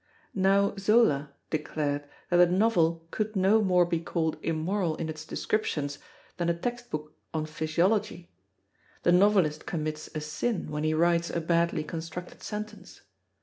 Now Zola declared that a novel could no more be called immoral in its descriptions than a text book on physiology; the novelist commits a sin when he writes a badly constructed sentence.